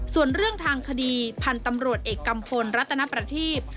ส่วนเรื่องทางคดีพันธ์ตำรวจเอกกัมพลรัตนประทีพ